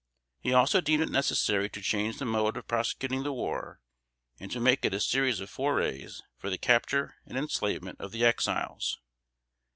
He also deemed it necessary to change the mode of prosecuting the war, and to make it a series of forays for the capture and enslavement of the Exiles.